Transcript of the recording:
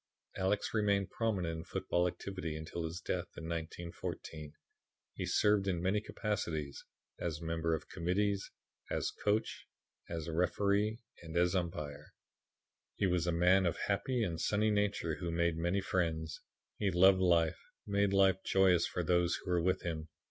Alex remained prominent in football activity until his death in 1914. He served in many capacities, as member of committees, as coach, as referee and as umpire. He was a man of happy and sunny nature who made many friends. He loved life and made life joyous for those who were with him.